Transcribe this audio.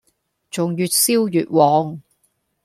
仲越燒越旺